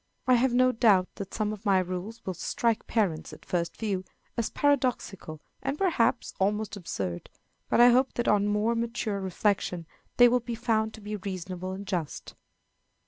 I have no doubt that some of my rules will strike parents, at first view, as paradoxical and, perhaps, almost absurd; but I hope that on more mature reflection they will be found to be reasonable and just.